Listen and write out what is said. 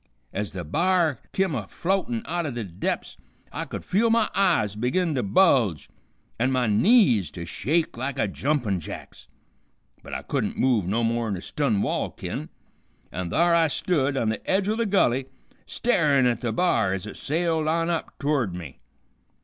Ez the b'ar kim a floatin' out o' the dep's I could feel my eyes begin to bulge, an' my knees to shake like a jumpin' jack's. But I couldn't move no more'n a stun wall kin, an' thar I stood on the edge o' the gulley, starin' at the b'ar ez it sailed on up to'rd me.